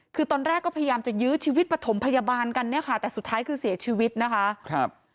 คือตอนแรกก็พยายามจะยื้อชีวิตปฐมพยาบาลกันเนี่ยค่ะแต่สุดท้ายคือเสียชีวิตนะคะครับ